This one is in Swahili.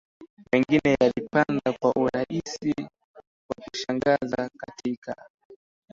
mengine yalipanda kwa urahisi Kwa kushangaza katika